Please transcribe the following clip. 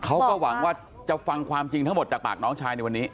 เขาก็หวังว่าจะฟังความจริงทั้งหมดจากปากน้องชายในวันนี้